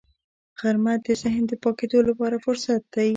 غرمه د ذهن د پاکېدو لپاره فرصت دی